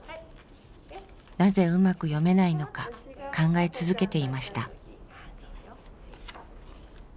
なぜうまく読めないのか考え続けていました。